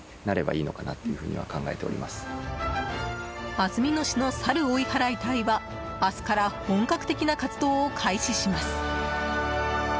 安曇野市のサル追い払い隊は明日から本格的な活動を開始します。